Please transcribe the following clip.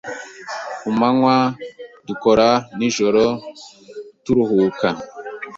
Ku manywa, dukora, nijoro turuhuka.